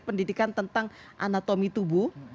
pendidikan tentang anatomi tubuh